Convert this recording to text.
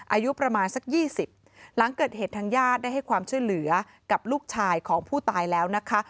อายุประมาณสัก๒๐หลังเกิดเหตุทางญาติได้ให้ความช่วยเหลือกับลูกชายของผู้ตายแล้วนะคะ